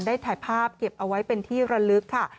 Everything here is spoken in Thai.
ได้ถ่ายภาพเก็บเอาไว้เป็นที่ระลึกค่ะ